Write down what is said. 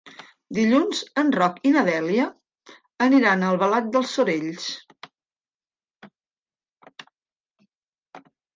Dilluns en Roc i na Dèlia aniran a Albalat dels Sorells.